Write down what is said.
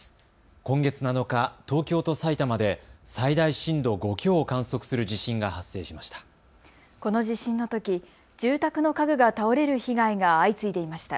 今月７日、東京と埼玉で最大震度５強を観測する地震が発生しました。